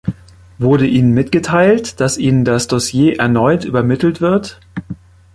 Wurde Ihnen mitgeteilt, dass Ihnen das Dossier erneut übermittelt wird?